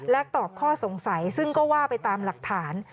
ตอบข้อสงสัยซึ่งก็ว่าไปตามหลักฐาน